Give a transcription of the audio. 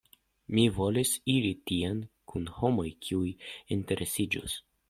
Mi volis iri tien kun homoj, kiuj interesiĝus.